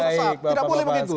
tidak boleh begitu